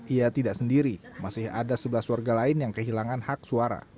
ia tidak sendiri masih ada sebelas warga lain yang kehilangan hak suara